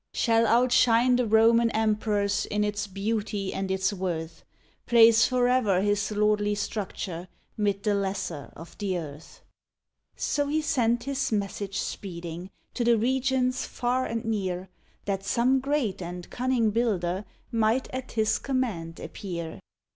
"Shall outshine the Roman Emperor's In its beauty and its worth; Place fore'er his lordly structure 'Mid the lesser of the earth." So he sent his message speeding To the regions far and near, That some great and cunning builder Might at his command appear.